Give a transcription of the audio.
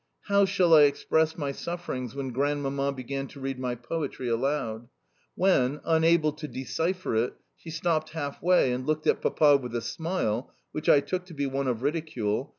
How shall I express my sufferings when Grandmamma began to read my poetry aloud? when, unable to decipher it, she stopped half way and looked at Papa with a smile (which I took to be one of ridicule)?